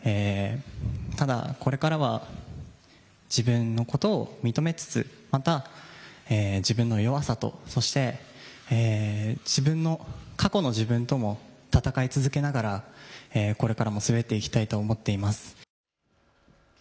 ただ、これからは自分のことを認めつつ、また自分の弱さとそして過去の自分とも闘い続けながら、これからも滑っていきたいと思っています。